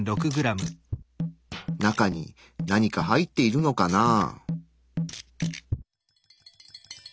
中に何か入っているのかなあ？